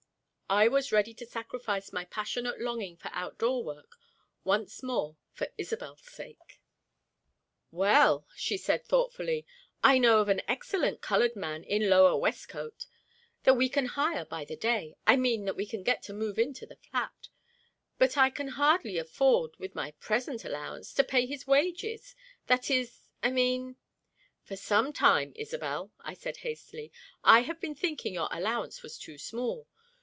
I was ready to sacrifice my passionate longing for outdoor work once more for Isobel's sake. [Illustration: 45] "Well," she said thoughtfully, "I know of an excellent coloured man in Lower Westcote, that we can hire by the day I mean that we can get to move into the flat but I can hardly afford, with my present allowance, to pay his wages that is, I mean " "For some time, Isobel," I said hastily, "I have been thinking your allowance was too small.